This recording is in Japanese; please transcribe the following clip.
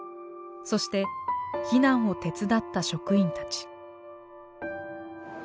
そして避難を手伝った職員たち。